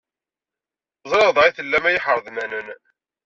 Ẓriɣ da i tellam ay iḥreḍmanen!